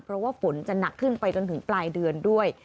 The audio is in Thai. เพราะว่าฝนจะหนักขึ้นไปจนถึงปลายเดือนด้วย